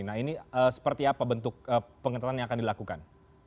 nah ini seperti apa bentuk pengetatan yang akan dilakukan